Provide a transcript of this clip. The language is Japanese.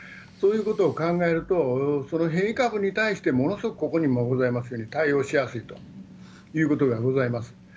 そういうことを考えると、その変異株に対してものすごく、ここにもございますように、対応しやすいということがございます。